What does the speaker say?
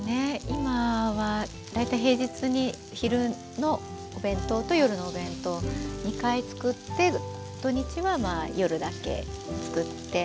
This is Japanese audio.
今は大体平日に昼のお弁当と夜のお弁当２回作って土日はまあ夜だけ作って。